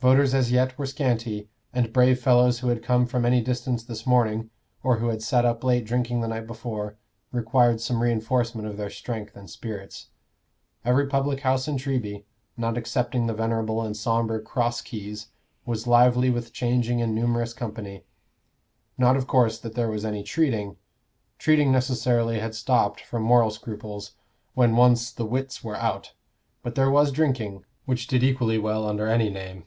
Voters as yet were scanty, and brave fellows who had come from any distance this morning, or who had sat up late drinking the night before, required some reinforcement of their strength and spirits. Every public house in Treby, not excepting the venerable and sombre Cross Keys, was lively with changing and numerous company. Not, of course, that there was any treating: treating necessarily had stopped, from moral scruples, when once "the writs were out;" but there was drinking, which did equally well under any name.